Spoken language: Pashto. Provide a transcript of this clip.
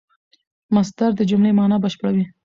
مصدر د جملې مانا بشپړوي.